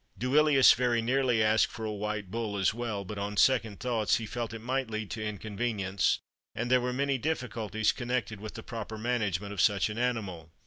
Duilius very nearly asked for a white bull as well; but, on second thoughts, he felt it might lead to inconvenience, and there were many difficulties connected with the proper management of such an animal.